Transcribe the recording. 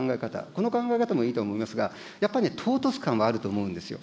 この考え方もいいと思いますが、やっぱりね、唐突感があると思うんですよ。